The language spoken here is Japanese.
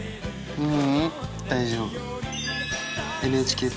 うん。